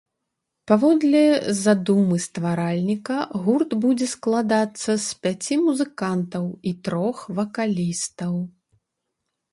Паводле задумы стваральніка, гурт будзе складацца з пяці музыкантаў і трох вакалістаў.